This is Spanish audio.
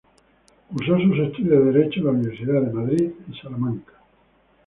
Cursó sus estudios de derecho en las Universidades de Madrid y Salamanca.